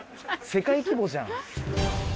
世界規模じゃん。